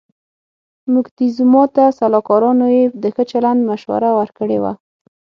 موکتیزوما ته سلاکارانو یې د ښه چلند مشوره ورکړې وه.